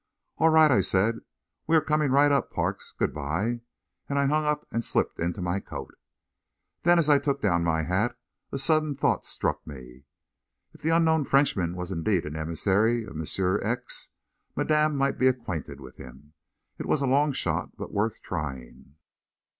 "All right," I said. "We are coming right up, Parks. Good bye," and I hung up and slipped into my coat. Then, as I took down my hat, a sudden thought struck me. If the unknown Frenchman was indeed an emissary of Monsieur X., Madame might be acquainted with him. It was a long shot, but worth trying!